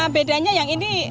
bedanya yang ini